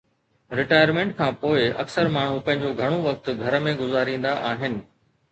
retirement کان پوء، اڪثر ماڻهو پنهنجو گهڻو وقت گهر ۾ گذاريندا آهن